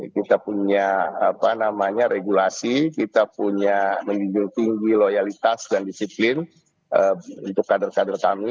kita punya regulasi kita punya menjunjung tinggi loyalitas dan disiplin untuk kader kader kami